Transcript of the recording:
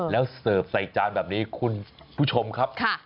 แล้วเสิร์ฟใส่จานแบบนี้คุณผู้ชมครับ